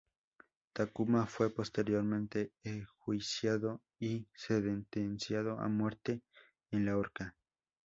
Takuma fue posteriormente enjuiciado y sentenciado a muerte en la horca.